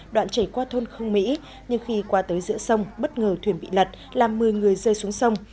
đoạn chảy qua thôn không mỹ nhưng khi qua tới giữa sông bất ngờ thuyền bị lật làm một mươi người rơi xuống sông